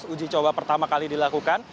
uji coba pertama kali dilakukan